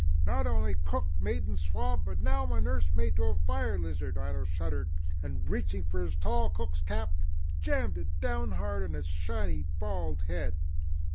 "Not only cook, mate and swab, but now I'm nursemaid to a fire lizard." Ato shuddered, and reaching for his tall cook's cap, jammed it down hard on his shiny bald head.